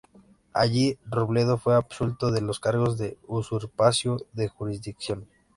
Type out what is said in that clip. Allí Robledo fue absuelto de los cargos de usurpación de jurisdicción.